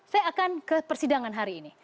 saya akan ke persidangan hari ini